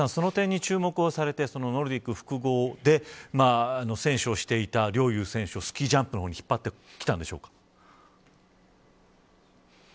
その点に注目されてノルディック複合で選手をしていた陵侑選手をスキージャンプに引っ張ってきたんでしょうか。